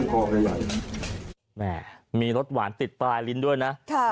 คุณศักดาววิเชียนสินครับอธิบดีกรมทรัพยากรธรรมน้ำบาดาน